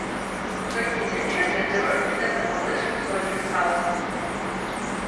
Толькі цяпер яны робяць гэта па больш высокіх стаўках.